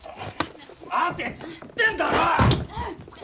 待てっつってんだろ！